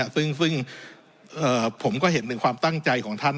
ซึ่งผมก็เห็นเป็นความตั้งใจของท่าน